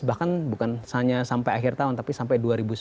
bahkan bukan hanya sampai akhir tahun tapi sampai dua ribu sembilan belas